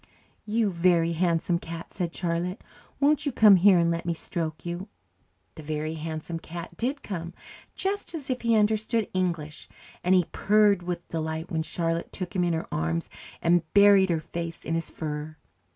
"You Very Handsome Cat," said Charlotte, "won't you come here and let me stroke you?" The Very Handsome Cat did come, just as if he understood English, and he purred with delight when Charlotte took him in her arms and buried her face in his fur.